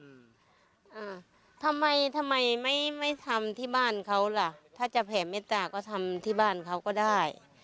อ่าทำไมทำไมไม่ไม่ทำที่บ้านเขาล่ะถ้าจะแผ่เมตตาก็ทำที่บ้านเขาก็ได้